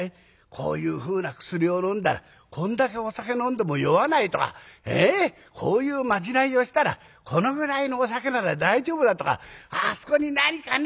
こういうふうな薬をのんだらこんだけお酒飲んでも酔わないとかこういうまじないをしたらこのぐらいのお酒なら大丈夫だとかあそこに何かね